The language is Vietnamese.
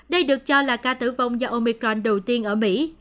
đây được cho là ca tử vong do omicron đầu tiên ở mỹ